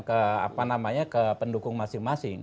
ke pendukung masing masing